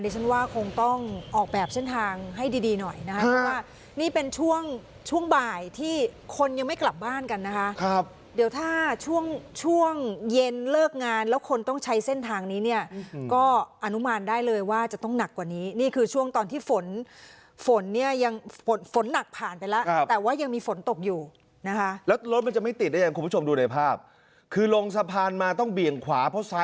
ช่วงช่วงบ่ายที่คนยังไม่กลับบ้านกันนะครับเดี๋ยวถ้าช่วงช่วงเย็นเลิกงานแล้วคนต้องใช้เส้นทางนี้เนี่ยก็อนุมานได้เลยว่าจะต้องหนักกว่านี้นี่คือช่วงตอนที่ฝนฝนเนี่ยยังฝนฝนหนักผ่านไปแล้วแต่ว่ายังมีฝนตกอยู่นะฮะแล้วรถมันจะไม่ติดได้อย่างคุณผู้ชมดูในภาพคือลงสะพานมาต้องเบี่ยงขวาเพรา